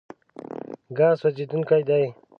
ګاز سوځېدونکی دی.